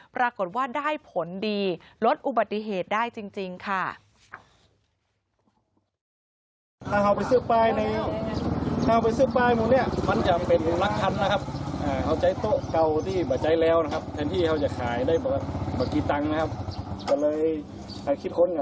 ปรากฏว่าได้ผลดีลดอุบัติเหตุได้จริงค่ะ